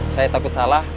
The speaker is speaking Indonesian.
saya takut salah